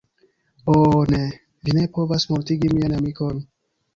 Oh ne! Vi ne povas mortigi mian amikon!